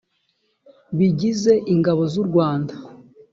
bigize ingabo z u rwanda